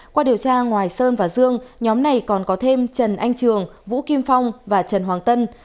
qua điều tra ngoài sơn và dương nhóm này còn có thêm trần anh trường vũ kim phong và trần hoàng tân